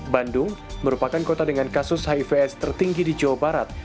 bandung merupakan kota dengan kasus hivs tertinggi di jawa barat